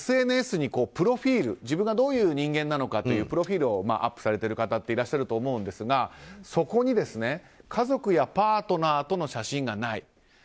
ＳＮＳに自分がどういう人間なのかというプロフィールをアップされている方いらっしゃると思うんですがそこに家族やパートナーとの写真がない。